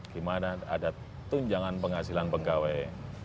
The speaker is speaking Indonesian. gimana ada tunjangan penghasilan pengkawai